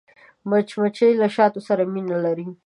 مچمچۍ له شاتو سره مینه لري